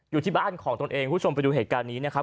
อยู่ที่บ้านของตนเองคุณผู้ชมไปดูเหตุการณ์นี้นะครับ